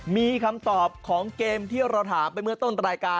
มีคำตอบของเกมที่เราถามไปเมื่อต้นรายการ